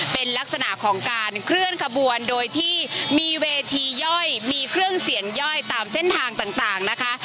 เป็นลักษณะของการเคลื่อนขบวนโดยที่มีเวทีย่อยมีเครื่องเสียงย่อยตามเส้นทางต่างนะคะ